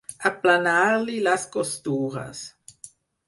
Aplanar-li les costures.